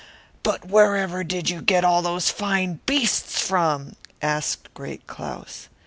"But wherever did you get all these fine beasts?" asked Great Claus.